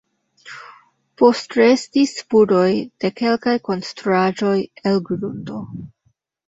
Postrestis spuroj de kelkaj konstruaĵoj el grundo.